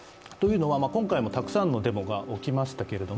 今回もたくさんのデモが起きましたけど